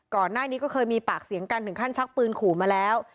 ก่อนหน้านี้ก็เคยมีปากเสียงกันถึงขั้นชักปืนขู่มาแล้ว